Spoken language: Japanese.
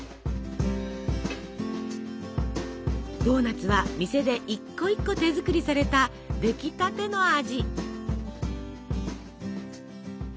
ドーナツは店で一個一個手作りされたできたての味。